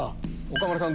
岡村さん